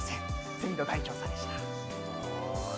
セミの大調査でした。